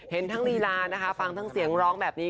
เห็นทั้งลีลานะคะฟังทั้งเสียงร้องแบบนี้